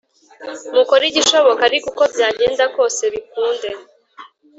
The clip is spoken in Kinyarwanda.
Mukore igishoboka ariko uko byagenda kose bikunde.